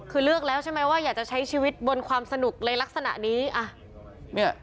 คือเลือกแล้วใช่ไหมว่าอยากจะใช้ชีวิตบนความสนุกในลักษณะนี้อ่ะเนี่ย